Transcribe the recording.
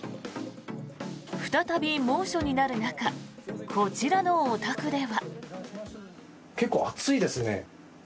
再び猛暑になる中こちらのお宅では。